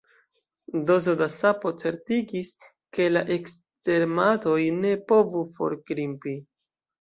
Dozo da sapo certigis, ke la ekstermatoj ne povu forgrimpi.